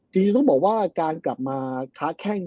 ต้องบอกว่าการกลับมาค้าแค้งกัน